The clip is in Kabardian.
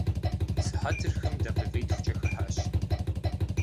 Сыхьэтыр хым дакъикъитхукӏэ хыхьащ.